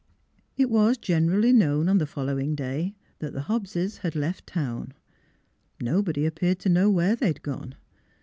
It was generally known on the following day that the Hobbses had left town. Nobody ap peared to know where they had gone.